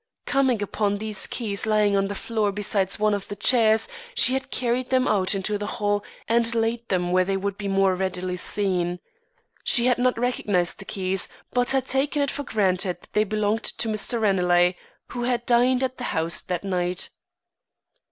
Coming upon these keys lying on the floor beside one of the chairs, she had carried them out into the hall and laid them where they would be more readily seen. She had not recognised the keys, but had taken it for granted that they belonged to Mr. Ranelagh who had dined at the house that night.